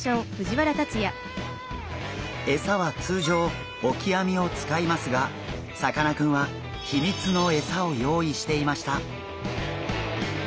エサはつうじょうオキアミをつかいますがさかなクンは秘密のエサをよういしていました。